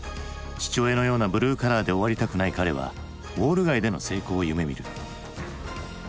父親のようなブルーカラーで終わりたくない彼はウォール街での成功を夢みる。